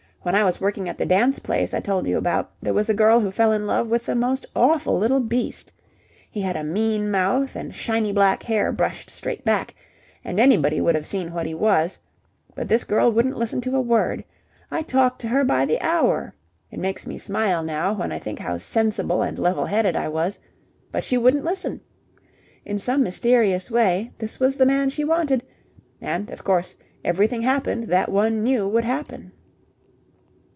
When I was working at the dance place I told you about there was a girl who fell in love with the most awful little beast. He had a mean mouth and shiny black hair brushed straight back, and anybody would have seen what he was. But this girl wouldn't listen to a word. I talked to her by the hour. It makes me smile now when I think how sensible and level headed I was. But she wouldn't listen. In some mysterious way this was the man she wanted, and, of course, everything happened that one knew would happen.